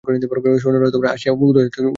সৈন্যরা আসিয়া উদয়াদিত্যকে ধরিল।